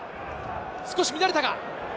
少し乱れたか。